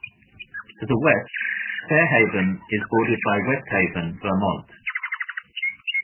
To the west, Fair Haven is bordered by West Haven, Vermont.